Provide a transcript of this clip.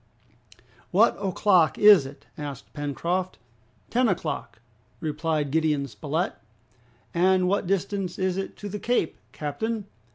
"What o'clock is it?" asked Pencroft. "Ten o'clock," replied Gideon Spilett. "And what distance is it to the Cape, captain?"